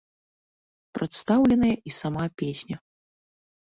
Прадстаўленая і сама песня.